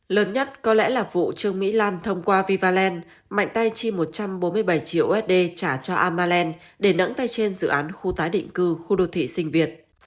lớn nhất có lẽ là vụ trương mỹ lan thông qua vivaland mạnh tay chi một trăm bốn mươi bảy triệu usd trả cho amaland để nẫn tay trên dự án khu tái định cư khu đô thị sinh việt